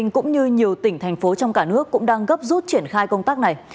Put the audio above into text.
cũng như nhiều tỉnh thành phố trong cả nước cũng đang gấp rút triển khai công tác này